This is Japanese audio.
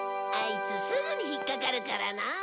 アイツすぐに引っかかるからな。